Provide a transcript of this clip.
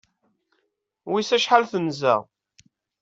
Wiss acḥal tenza?